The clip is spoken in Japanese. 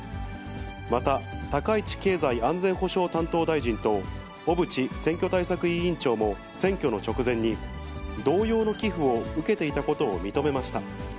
また、高市経済安全保障担当大臣と小渕選挙対策委員長も選挙の直前に、同様の寄付を受けていたことを認めました。